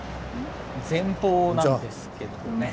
前方なんですけどもね。